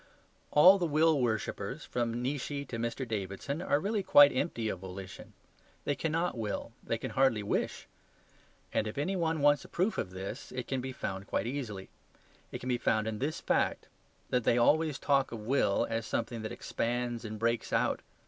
All the will worshippers, from Nietzsche to Mr. Davidson, are really quite empty of volition. They cannot will, they can hardly wish. And if any one wants a proof of this, it can be found quite easily. It can be found in this fact: that they always talk of will as something that expands and breaks out.